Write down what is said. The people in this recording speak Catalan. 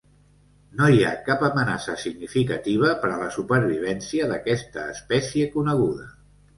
No hi ha cap amenaça significativa per a la supervivència d'aquesta espècie coneguda.